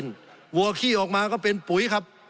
สงบจนจะตายหมดแล้วครับ